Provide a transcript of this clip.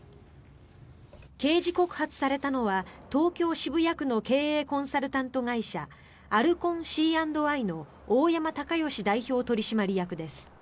刑事告発されたのは東京・渋谷区の経営コンサルタント会社アルコンＣ＆Ｉの大山敬義代表取締役です。